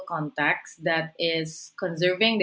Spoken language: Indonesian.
yang mengelola alam semesta